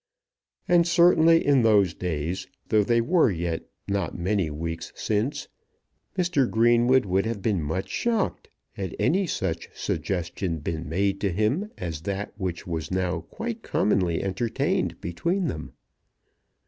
And certainly in those days, though they were yet not many weeks since, Mr. Greenwood would have been much shocked had any such suggestion been made to him as that which was now quite commonly entertained between them.